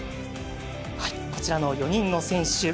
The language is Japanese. こちらの４人の選手。